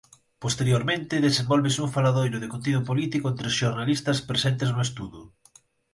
Posteriormente desenvólvese un faladoiro de contido político entre os xornalistas presentes no estudo.